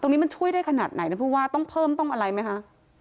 นี้มันช่วยได้ขนาดไหนนะผู้ว่าต้องเพิ่มต้องอะไรไหมคะ